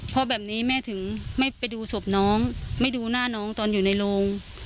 เพราะแบบนี้แม่ถึงไม่ไปดูศพน้องไม่ดูหน้าน้องตอนอยู่ในโรง